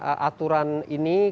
oke kita juga memastikan komitmen itu